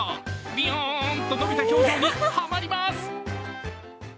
びよーんと伸びた表情にハマります。